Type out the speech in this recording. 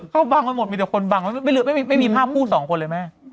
เข้าบังอันหมดมีแต่คนบังไม่มีภาพผู้๒คนเลยแม่